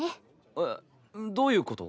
えどういうこと？